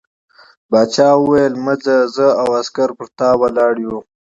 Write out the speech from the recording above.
باچا وویل مه ځه زه او عسکر پر تا ولاړ یو.